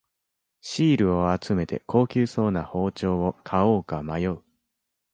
シールを集めて高級そうな包丁を買おうか迷う